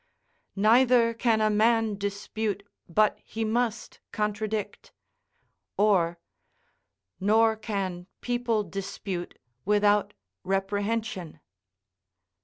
["Neither can a man dispute, but he must contradict." (Or:) "Nor can people dispute without reprehension."